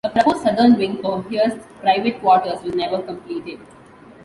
A proposed southern wing for Hearst's private quarters was never completed.